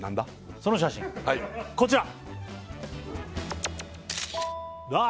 その写真こちらわあ！